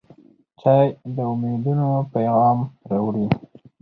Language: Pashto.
چای د امیدونو پیغام راوړي.